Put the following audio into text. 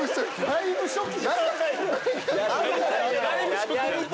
だいぶ初期ね。